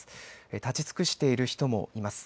立ち尽くしている人もいます。